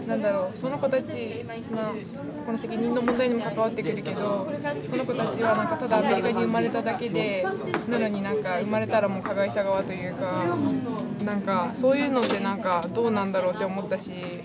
その子たちの責任の問題にも関わってくるけどその子たちはただアメリカに生まれただけでなのになんか生まれたらもう加害者側というかなんかそういうのってどうなんだろうって思ったし。